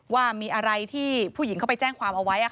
ว่ามีอะไรที่ผู้หญิงเขาไปแจ้งความเอาไว้